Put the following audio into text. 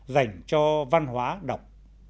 dành cho văn hóa đọc